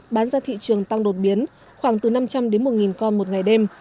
bán ra thị trường tăng đột biến khoảng từ năm trăm linh đến một con một ngày đêm